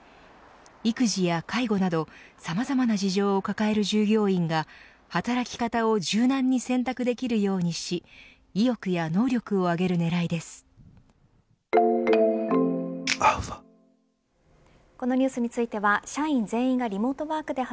育児や介護などさまざまな事情を抱える従業員が働き方を柔軟に選択できるようにし意欲や能力を上げるねらいです。